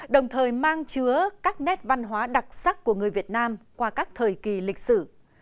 đồng thời mang chứa các nét văn hóa đặc sắc của người việt nam qua các thời kỳ lịch sử